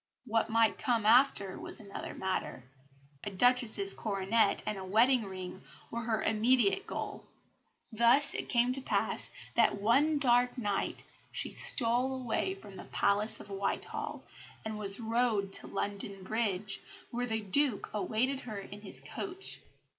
What might come after was another matter. A Duchess's coronet and a wedding ring were her immediate goal. Thus it came to pass that one dark night she stole away from the Palace of Whitehall, and was rowed to London Bridge, where the Duke awaited her in his coach.